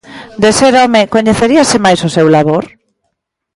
De ser home, coñeceríase máis o seu labor?